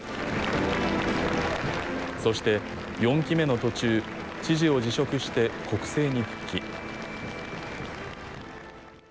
そして４期目の途中、知事を辞職して国政に復帰。